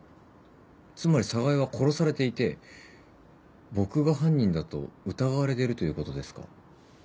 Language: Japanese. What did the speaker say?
つまり寒河江は殺されていて僕が犯人だと疑われてるということですか？